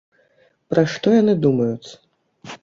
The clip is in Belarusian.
Пра што яны думаюць?